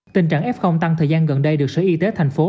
tình trạng f tăng thời gian gần đây được sở y tế tp hcm